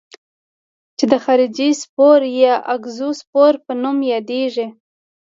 چې د خارجي سپور یا اګزوسپور په نوم یادیږي.